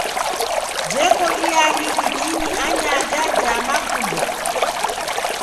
Jeko iaghi itini anyaja ja makumbo.